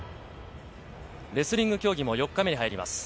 レスリング競技も４日目に入ります。